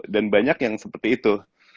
dan banyak yang seperti itu